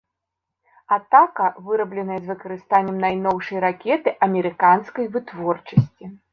Атака вырабленая з выкарыстаннем найноўшай ракеты амерыканскага вытворчасці.